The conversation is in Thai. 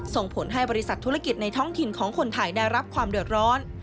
ส่งผลให้บริษัทธุรกิจในท้องถิ่นของคนไทยได้รับความเดือดร้อน